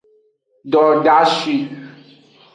Dodashi.